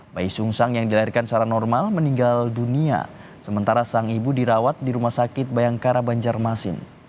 bayi sungsang yang dilahirkan secara normal meninggal dunia sementara sang ibu dirawat di rumah sakit bayangkara banjarmasin